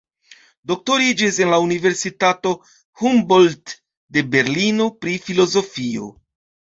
Doktoriĝis en la Universitato Humboldt de Berlino pri filozofio.